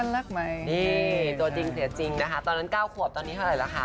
ตัวจริงจริงนะคะตอนนั้น๙ขวบตอนนี้เท่าไรละคะ